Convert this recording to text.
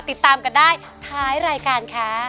ติดตามกันได้ท้ายรายการค่ะ